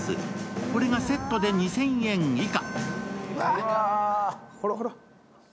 これがセットで２０００円以下。